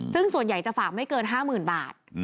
ซึ่งส่วนใหญ่จะฝากไม่เกิน๕๐๐๐บาท